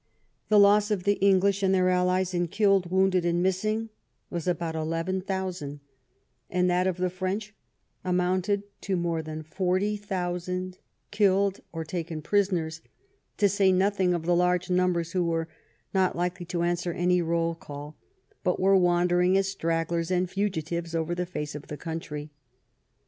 The loss of the English and their allies in killed, wounded, and missing was about eleven thousand, and that of the French amounted to more than forty thousand, killed or taken prisoners, to say nothing of the large numbers who were not likely to answer any roll call, but were wandering as stragglers and fugitives over the face of the countrv.